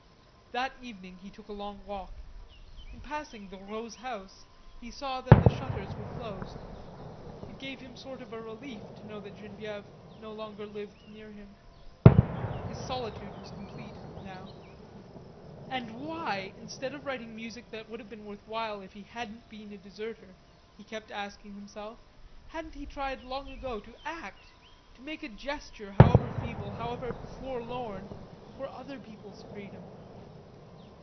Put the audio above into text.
That evening he took a long walk. In passing the Rods' house he saw that the shutters were closed. It gave him a sort of relief to know that Genevieve no longer lived near him. His solitude was complete, now. And why, instead of writing music that would have been worth while if he hadn't been a deserter, he kept asking himself, hadn't he tried long ago to act, to make a gesture, however feeble, however forlorn, for other people's freedom?